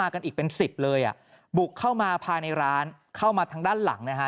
กันอีกเป็น๑๐เลยอ่ะบุกเข้ามาภายในร้านเข้ามาทางด้านหลังนะฮะ